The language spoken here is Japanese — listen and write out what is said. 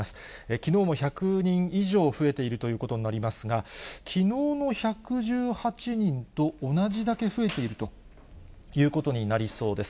きのうも１００人以上増えているということになりますが、きのうの１１８人と同じだけ増えているということになりそうです。